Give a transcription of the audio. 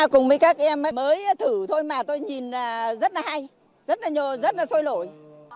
cùng với các em mới thử thôi mà tôi nhìn rất là hay rất là sôi lỗi